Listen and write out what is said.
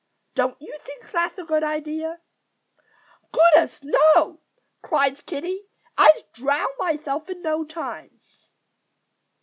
Don't you think that's a good idea?" "Goodness, no!" cried Kiddie. "I'd drown myself in no time."